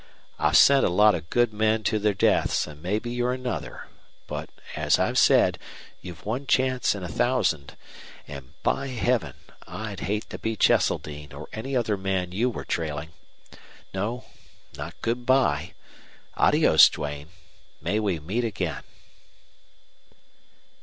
"I've sent a lot of good men to their deaths, and maybe you're another. But, as I've said, you've one chance in a thousand. And, by Heaven! I'd hate to be Cheseldine or any other man you were trailing. No, not good by Adios, Duane! May we meet again!"